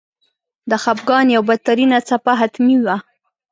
د خپګان یوه بدترینه څپه حتمي وه.